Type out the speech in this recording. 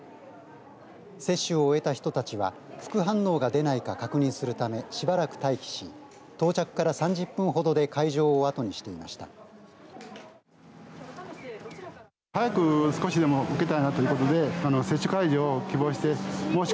接種を終えた人たちは副反応が出ないか確認するためしばらく待機し到着から３０分ほどで会場をあとにしていました。